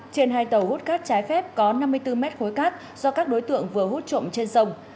trên hai tàu hút cát trái phép có năm mươi bốn mét khối cát do các đối tượng vừa hút trộm trên sông